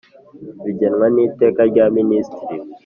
bigenwa n iteka rya Minisitiri